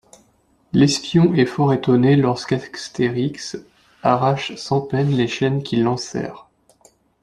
L'espion est fort étonné lorsque Astérix arrache sans peine les chaînes qui l'enserrent.